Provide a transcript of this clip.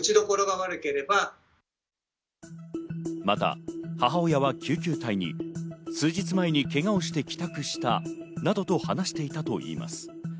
また母親は救急隊に数日前にけがをして帰宅したなどと話していたといいます。